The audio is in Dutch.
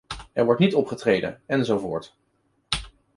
Er wordt niet opgetreden, enzovoort.